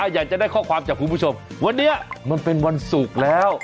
อยากจะได้ข้อความจากคุณผู้ชมวันนี้มันเป็นวันศุกร์แล้ว